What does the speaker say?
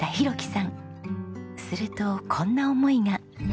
するとこんな思いが。